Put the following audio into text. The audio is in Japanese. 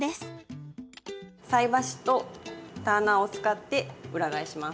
菜箸とターナーを使って裏返します。